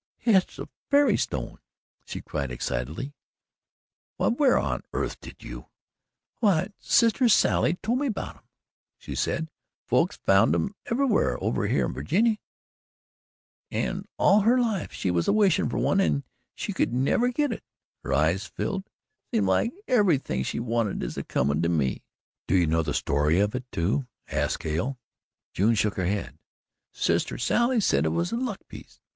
"Hit's a fairy stone," she cried excitedly. "Why, where on earth did you " "Why, sister Sally told me about 'em. She said folks found 'em somewhere over here in Virginny, an' all her life she was a wishin' fer one an' she never could git it" her eyes filled "seems like ever'thing she wanted is a comin' to me." "Do you know the story of it, too?" asked Hale. June shook her head. "Sister Sally said it was a luck piece.